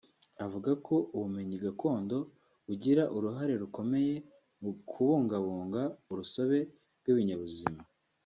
Avuga ko ubumenyi gakondo bugira uruhare rukomeye mu kubungabunga urusobe rw’ibinyabuzima